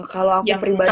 kalau aku pribadi sih